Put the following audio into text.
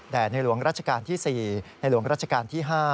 ในหลวงราชการที่๔ในหลวงรัชกาลที่๕